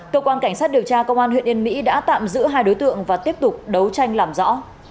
cơ quan cảnh sát điều tra công an huyện yên mỹ đã tạm giữ hai đối tượng và tiếp tục đấu tranh làm rõ